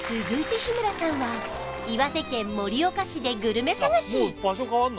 続いて日村さんは岩手県盛岡市でグルメ探し！